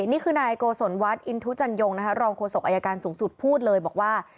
นี่คือนายโกศลวัฒน์อินทุจันยงนะคะรองโฆษกอายการสูงสุดพูดเลยบอกว่า